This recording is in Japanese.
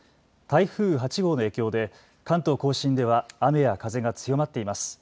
台風８号の影響で関東甲信では雨や風が強まっています。